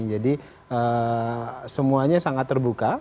jadi semuanya sangat terbuka